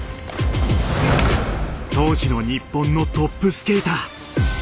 当時の日本のトップスケーター。